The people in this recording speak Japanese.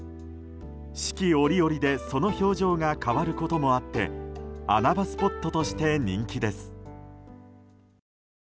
四季折々でその表情が変わることもあって穴場スポットとして人気です。